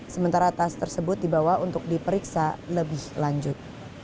sementara tas tersebut dibawa untuk diperiksa lebih lanjut